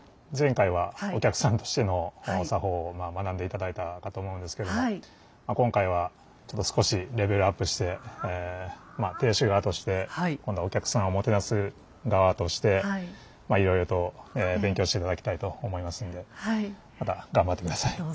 前回はお客さんとしての作法を学んで頂いたかと思うんですけども今回はちょっと少しレベルアップしてまあ亭主側として今度はお客さんをもてなす側としてまあいろいろと勉強して頂きたいと思いますのでまた頑張って下さい。